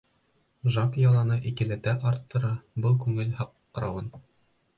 Жак яланы икеләтә арттыра был күңел һыҡрауын.